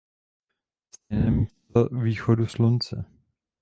Stejné místo za východu Slunce.